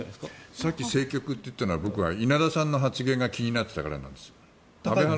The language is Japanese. さっき政局と言ったのは稲田さんの発言が気になっていたからです。